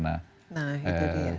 nah itu dia